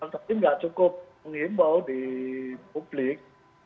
tapi nggak cukup mengimbau di publik